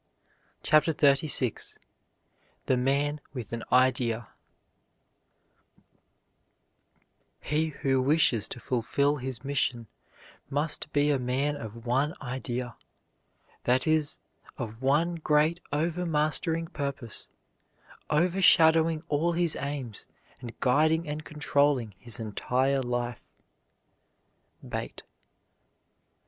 CHAPTER XXXVI THE MAN WITH AN IDEA He who wishes to fulfil his mission must be a man of one idea, that is, of one great overmastering purpose, over shadowing all his aims, and guiding and controlling his entire life. BATE.